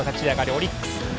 オリックス。